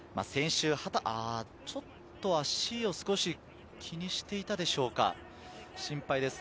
ちょっと足を気にしていたでしょうか、心配です。